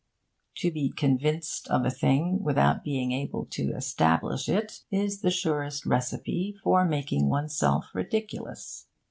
To be convinced of a thing without being able to establish it is the surest recipe for making oneself ridiculous.